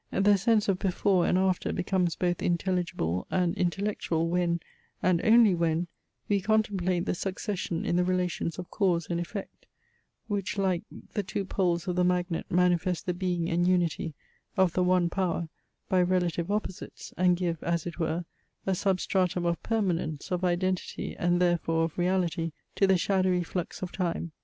The sense of Before and After becomes both intelligible and intellectual when, and only when, we contemplate the succession in the relations of Cause and Effect, which, like the two poles of the magnet manifest the being and unity of the one power by relative opposites, and give, as it were, a substratum of permanence, of identity, and therefore of reality, to the shadowy flux of Time.